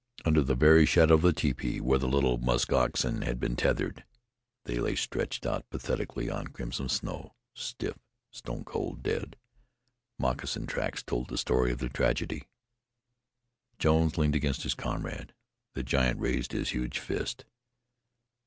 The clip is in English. Under the very shadow of the tepee, where the little musk oxen had been tethered, they lay stretched out pathetically on crimson snow stiff stone cold, dead. Moccasin tracks told the story of the tragedy. Jones leaned against his comrade. The giant raised his huge fist.